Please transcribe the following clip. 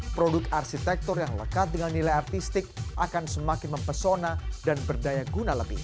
produk arsitektur yang lekat dengan nilai artistik akan semakin mempesona dan berdaya guna lebih